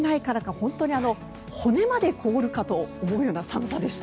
本当に骨まで凍るかと思うような寒さでした。